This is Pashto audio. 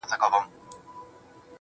• بې حیا یم، بې شرفه په وطن کي.